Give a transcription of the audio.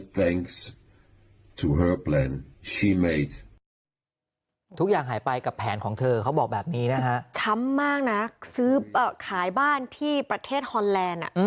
ทุกอย่างหายไปกับแผนของเธอเขาบอกแบบนี้นะฮะช้ำมากนะซื้อขายบ้านที่ประเทศฮอนแลนด์